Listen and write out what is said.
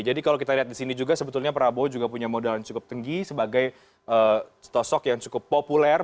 jadi kalau kita lihat di sini juga sebetulnya prabowo juga punya modal yang cukup tinggi sebagai setosok yang cukup populer